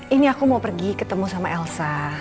ini aku mau pergi ketemu sama elsa